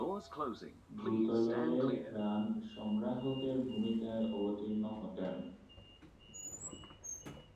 দ্রুতলয়ে run সংগ্রাহকের ভূমিকায় অবতীর্ণ হতেন।